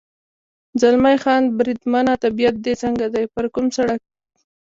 زلمی خان: بریدمنه، طبیعت دې څنګه دی؟ پر کوم سړک.